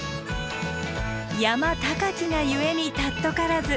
山高きが故に貴からず。